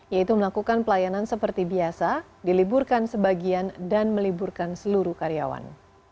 yaitu melakukan pelayanan seperti biasa diliburkan sebagian dan meliburkan seluruh karyawan